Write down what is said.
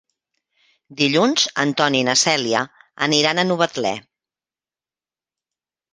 Dilluns en Ton i na Cèlia aniran a Novetlè.